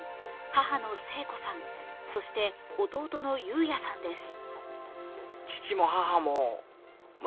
母の生子さん、そして弟の有哉さんです。